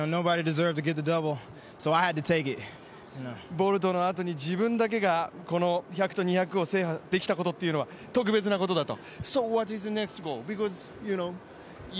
ボルトのあとに自分だけがこの１００と２００を制覇できたってことは特別なことだと。